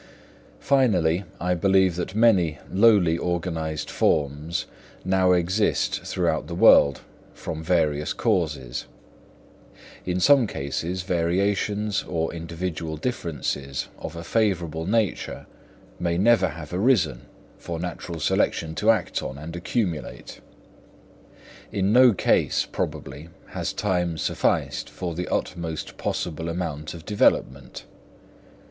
Finally, I believe that many lowly organised forms now exist throughout the world, from various causes. In some cases variations or individual differences of a favourable nature may never have arisen for natural selection to act on and accumulate. In no case, probably, has time sufficed for the utmost possible amount of development.